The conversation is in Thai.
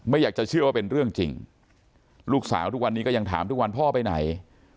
อยากจะเชื่อว่าเป็นเรื่องจริงลูกสาวทุกวันนี้ก็ยังถามทุกวันพ่อไปไหน